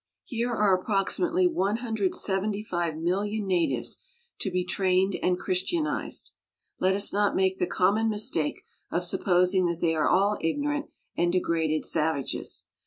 Here are approximately 175, 000,000 natives to be trained and Christian ized. Let us not make the common mis take of supposing that they are all ignorant and degraded savages.